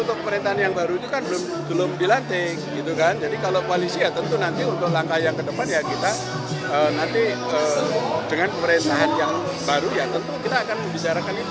untuk pemerintahan yang baru itu kan belum dilantik gitu kan jadi kalau koalisi ya tentu nanti untuk langkah yang kedepan ya kita nanti dengan pemerintahan yang baru ya tentu kita akan membicarakan itu